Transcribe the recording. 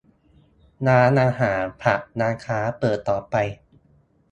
- ร้านอาหาร ผับ ร้านค้า เปิดต่อไป